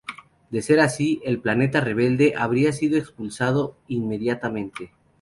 De ser así, el planeta rebelde habría sido expulsado inmediatamente.